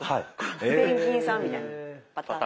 ペンギンさんみたいなパタン。